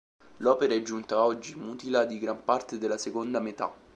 L'opera è giunta oggi mutila di gran parte della seconda metà.